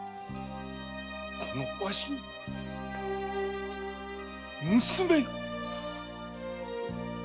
このわしに娘が！